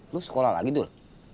lu sekolah lagi dul